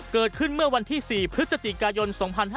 เกิดขึ้นเมื่อวันที่๔พฤศจิกายน๒๕๕๙